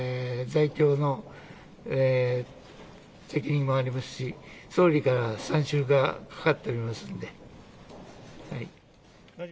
在京の責任もありますし総理から参集がかかっておりますので。